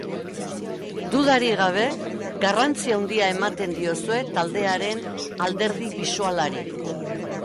Dudarik gabe, garrantzi handia ematen diozue taldearen alderdi bisualari.